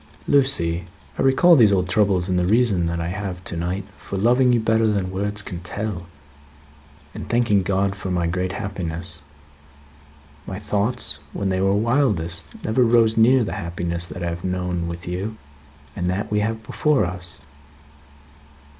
"Lucie, I recall these old troubles in the reason that I have to night for loving you better than words can tell, and thanking God for my great happiness. My thoughts, when they were wildest, never rose near the happiness that I have known with you, and that we have before us."